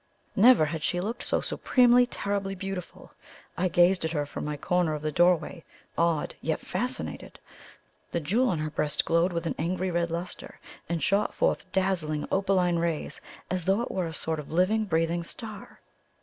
Never had she looked so supremely, terribly beautiful. I gazed at her from my corner of the doorway, awed, yet fascinated. The jewel on her breast glowed with an angry red lustre, and shot forth dazzling opaline rays, as though it were a sort of living, breathing star.